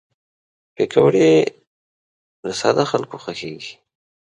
پکورې له ساده خلکو خوښېږي